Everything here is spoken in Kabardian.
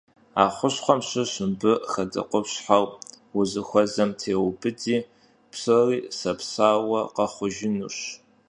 A xuşxhuem şış mıbı hedekhupşheu vuzıxuezem têudi psori sapsauue khexhujjınuş.